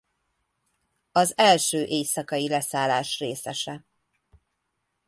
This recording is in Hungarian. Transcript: Az első éjszakai leszállás részese.